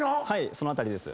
その辺りです。